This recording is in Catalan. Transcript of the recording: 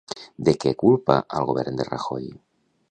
De què culpa al govern de Rajoy?